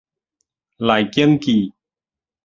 荔鏡記